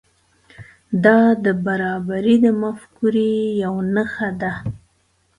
دا د برابري د مفکورې یو نښه ده.